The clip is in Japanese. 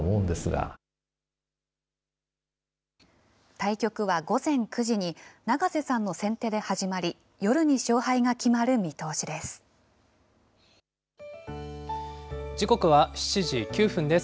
対局は午前９時に永瀬さんの先手で始まり、夜に勝敗が決まる時刻は７時９分です。